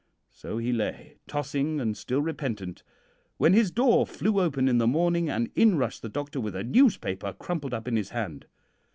So he lay, tossing and still repentant, when his door flew open in the morning and in rushed the doctor with a newspaper crumpled up in his hand.